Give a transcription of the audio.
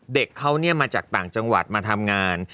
เด็กเขามาจากต่างจังหวัดมาทำงาน